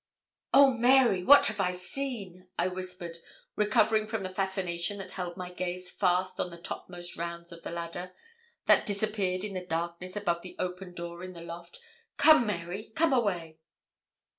'Oh, Mary, what have I seen!' I whispered, recovering from the fascination that held my gaze fast to the topmost rounds of the ladder, that disappeared in the darkness above the open door in the loft. 'Come, Mary come away.'